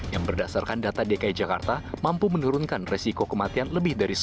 yang berdasarkan data dki jakarta mampu menurunkan resiko kematian lebih dari satu